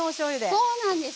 そうなんです。